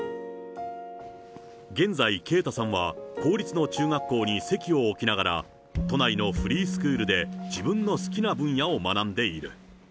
現在、圭太さんは公立の中学校に籍を置きながら、都内のフリースクールで自分の好きな分野を学んでいる。